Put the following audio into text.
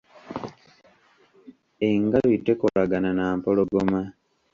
Engabi tekolagana na mpologoma.